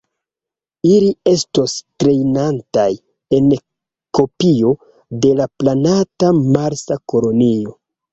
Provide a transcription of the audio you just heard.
Ili estos trejnataj en kopio de la planata Marsa kolonio.